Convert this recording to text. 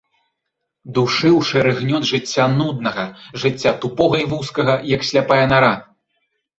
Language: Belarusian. Душыў шэры гнёт жыцця нуднага, жыцця тупога і вузкага, як сляпая нара.